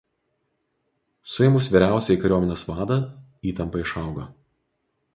Suėmus vyriausiąjį kariuomenės vadą įtampa išaugo.